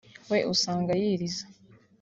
we usanga yiriza